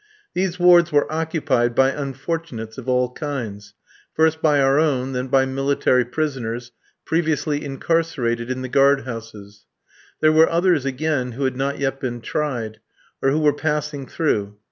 These wards were occupied by "unfortunates" of all kinds: first by our own, then by military prisoners, previously incarcerated in the guard houses. There were others, again, who had not yet been tried, or who were passing through.